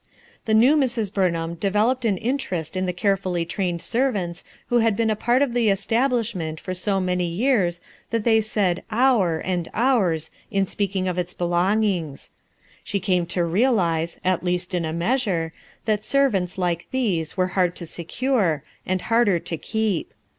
The new Sirs, Bumham developed an interest in the carefully trained servants who had been a part of the establishment for so many years that they said "our" and "ours" in speaking of its belongings. She came to realize, at least in a measure, that servants like these were hard to secure, and harder to keep.